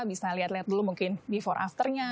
bisa lihat lihat dulu mungkin before afternya